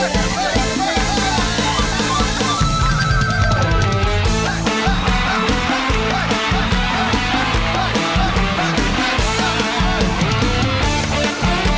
เอาเบาตอบร้านสุด